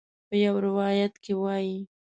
په یو روایت کې وایي.